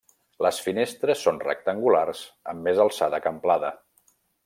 Les finestres són rectangulars amb més alçada que amplada.